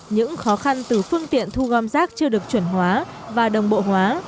những khó khăn từ phương tiện thu gom rác chưa được chuẩn hóa và đồng bộ hóa